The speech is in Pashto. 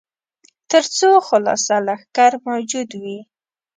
تر څو خلصه لښکر موجود وي.